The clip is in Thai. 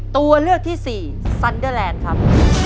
ตัวเลือกที่สี่ซันเดอร์แลนด์ครับ